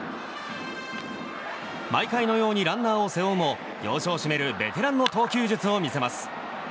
毎回のようにランナーを背負うも要所を締めるベテランの投球術を見せます。